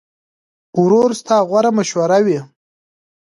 ورور ستا غوره مشوره وي.